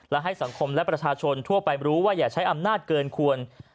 และให้สังคมและประชาชนทั่วไปรู้ว่าอย่าใช้อำนาจเกินควร